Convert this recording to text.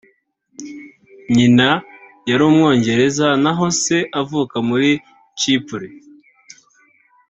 nyina yari Umwongereza naho se avuka muri Chypre